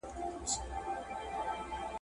• په وږې خېټه غومبر نه کېږي.